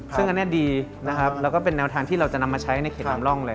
ซึ่งอันนี้ดีนะครับแล้วก็เป็นแนวทางที่เราจะนำมาใช้ในเขตนำร่องเลย